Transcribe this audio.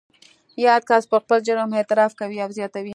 یاد کس پر خپل جرم اعتراف کوي او زیاتوي